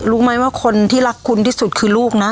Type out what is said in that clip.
รู้ไหมว่าคนที่รักคุณที่สุดคือลูกนะ